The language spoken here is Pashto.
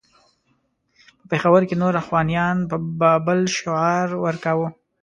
په پېښور کې نور اخوانیان به بل شعار ورکاوه.